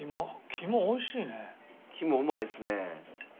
肝うまいですね。